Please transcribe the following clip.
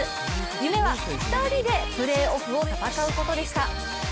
夢は２人でプレーオフを戦うことでした。